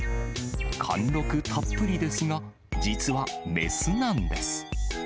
貫禄たっぷりですが、実は雌なんです。